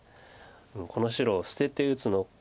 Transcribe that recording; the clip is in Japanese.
この白を捨てて打つのか。